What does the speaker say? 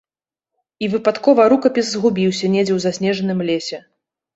І выпадкова рукапіс згубіўся недзе ў заснежаным лесе.